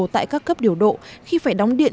tại các cấp điều độ khi phải đóng điện